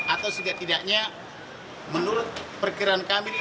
atau setidak tidaknya menurut perkiraan kami